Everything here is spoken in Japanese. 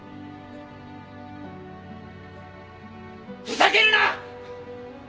ふざけるな！